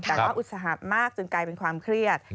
แต่ก็อุตสหัสมากจนกลายเป็นความเครียด